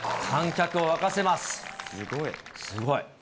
すごい。